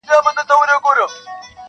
د چا لاره چي پر لور د جهالت سي -